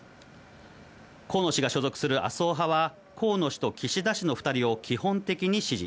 河野氏が所属する麻生派は、河野氏と岸田氏の２人を基本的に支持。